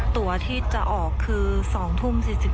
ตัวที่จะออกคือ๒ทุ่ม๔๔